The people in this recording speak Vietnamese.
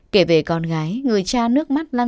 kể về con gái người cha nước mắt lăn rộn